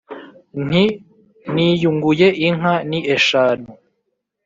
Nti "niyunguye inka, ni eshanu;